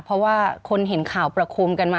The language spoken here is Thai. เพราะว่าคนเห็นข่าวประคมกันมา